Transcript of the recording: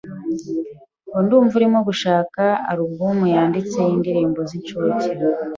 Ndumva urimo gushaka alubumu yanditse yindirimbo zincuke.